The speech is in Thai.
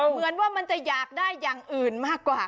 เหมือนว่ามันจะอยากได้อย่างอื่นมากกว่า